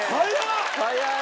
早い！